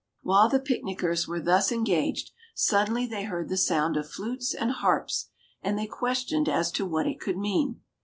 While the picnickers were thus engaged, suddenly they heard the sound of flutes and harps, and they questioned as to what it could mean.